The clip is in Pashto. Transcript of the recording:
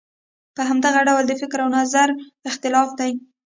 په همدغه ډول د فکر او نظر اختلاف دی.